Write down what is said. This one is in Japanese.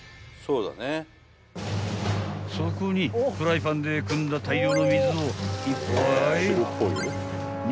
［そこにフライパンでくんだ大量の水を］